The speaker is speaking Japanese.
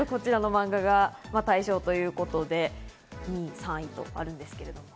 初めてこちらのマンガが大賞ということで２位、３位とあるんですけれども。